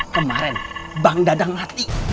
kemaren bang dadah ngati